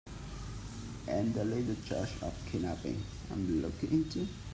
And a little charge of kidnapping I'm looking into.